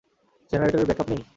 জেনারেটরের ব্যাকআপ নেই?